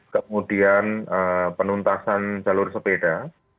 kemudian penuntasan jalur sepeda